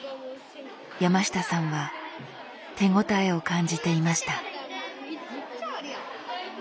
山下さんは手応えを感じていました。